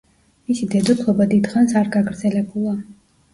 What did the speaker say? მისი დედოფლობა დიდ ხანს არ გაგრძელებულა.